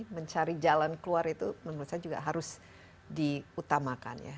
mencari jalan keluar itu menurut saya juga harus diutamakan ya